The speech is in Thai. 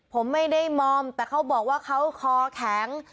ผมไม่ได้มอมแต่เขาบอกว่าเขาคอแข็ง